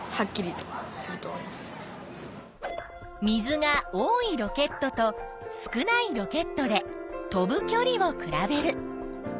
水が多いロケットと少ないロケットで飛ぶきょりを比べる。